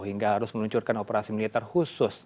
hingga harus meluncurkan operasi militer khusus